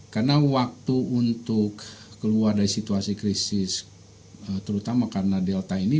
karena waktu untuk keluar dari situasi krisis terutama karena delta ini